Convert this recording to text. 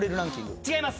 違います。